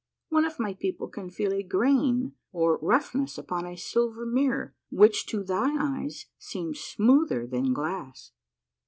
One of my people can feel a grain or roughness upon a silver mirror which to thy eyes seems smoother than glass.